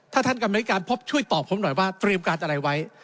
ถ้าท่านกรรมธิการพบช่วยตอบผมหน่อยว่าเตรียมการอะไรไว้